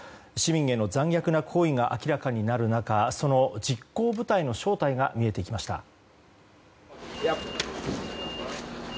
市民への残虐な行為が明らかになる中その実行部隊の正体が見えてきました。